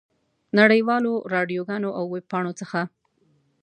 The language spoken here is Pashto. نړۍ والو راډیوګانو او ویبپاڼو څخه.